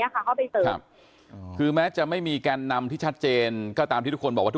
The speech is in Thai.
ก็ให้ได้เขามีใครไปเสริมอุปกรณ์เข้าไปเสริมยกแพงเหล็กอะไรอย่างนี้เข้าไปเสริม